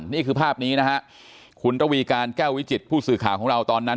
นี่คือภาพนี้นะฮะคุณระวีการแก้ววิจิตผู้สื่อข่าวของเราตอนนั้น